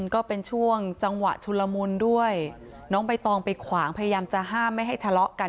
ก็เป็นช่วงจังหวะชุลมุนด้วยน้องใบตองไปขวางพยายามจะห้ามไม่ให้ทะเลาะกัน